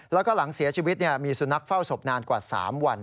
และหลังเสียชีวิตนี้มีสุนนักเฝ้าศพนานกว่า๓วัน